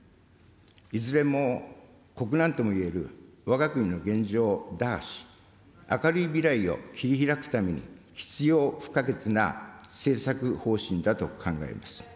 いずれも国難とも言えるわが国の現状を打破し、明るい未来を切り開くために必要不可欠な政策方針だと考えます。